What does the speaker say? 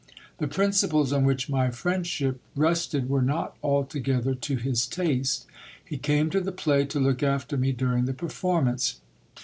The principles on which my friendship rested were not altogether to his taste. He came to the play to look after me during the performance.